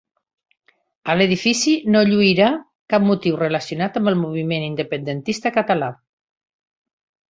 A l'edifici no lluirà cap motiu relacionat amb el moviment independentista català.